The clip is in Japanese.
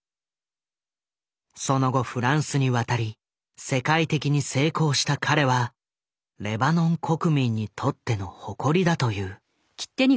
その後フランスに渡り世界的に成功した彼はレバノン国民にとっての誇りだという。